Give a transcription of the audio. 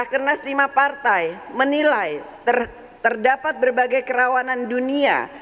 lima belas rakyat kernas lima partai menilai terdapat berbagai kerawanan dunia